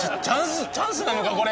チャンスチャンスなのか？